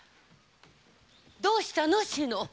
どうしたの志野？